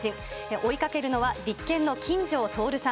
追いかけるのは、立憲の金城徹さん。